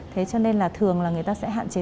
thế cho nên là thường là người ta sẽ hạn chế